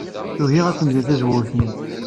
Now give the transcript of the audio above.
Tugi ad temdel tzewwut-nni.